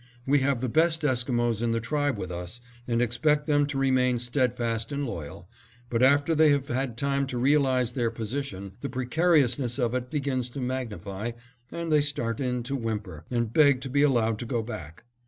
We have the best Esquimos in the tribe with us, and expect them to remain steadfast and loyal, but after they have had time to realize their position, the precariousness of it begins to magnify and they start in to whimper, and beg to be allowed to go back.